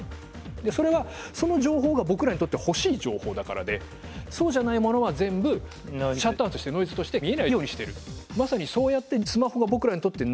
それはその情報が僕らにとって欲しい情報だからでそうじゃないものは全部シャットアウトしてノイズとして見えないようにしてる。